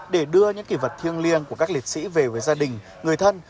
để đưa những kỳ vật thiêng liêng của các liệt sĩ về với gia đình người thân